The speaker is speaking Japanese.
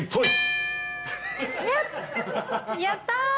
やった！